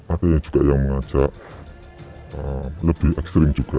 artinya juga yang mengajak lebih ekstrim juga